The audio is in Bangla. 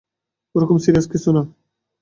ওরকম সিরিয়াস কিছু না!